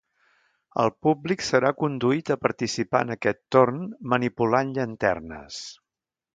El públic serà conduït a participar en aquest torn manipulant llanternes.